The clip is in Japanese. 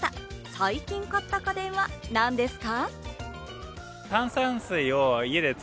最近買った家電は何ですか？